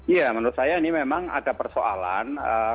ya menurut saya ini memang ada persoalan